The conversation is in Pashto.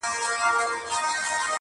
• په مایکروفون کي یې ویلی دی -